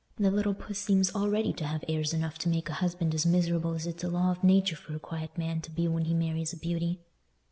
The little puss seems already to have airs enough to make a husband as miserable as it's a law of nature for a quiet man to be when he marries a beauty.